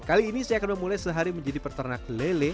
kali ini saya akan memulai sehari menjadi peternak lele